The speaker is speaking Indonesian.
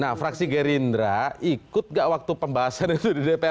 nah fraksi gerindra ikut gak waktu pembahasan itu di dpr